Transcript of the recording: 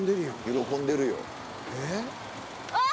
「喜んでるよ」わあ！